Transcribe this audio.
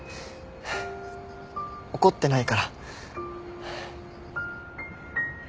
ハァ怒ってないから。